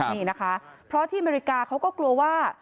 นี่นะคะเพราะที่อเมริกาเขาก็กลัวว่า